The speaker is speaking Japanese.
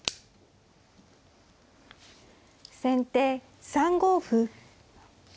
先手３五歩。